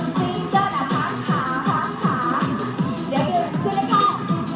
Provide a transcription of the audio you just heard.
มีเฉินตามพร้อม